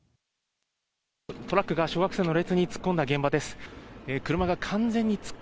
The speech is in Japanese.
トラックが小学生の列に突っ込んだ現場です。